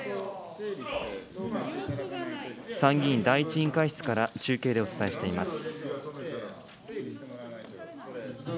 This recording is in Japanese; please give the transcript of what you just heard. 参議院第１委員会室から中継でお伝えしています。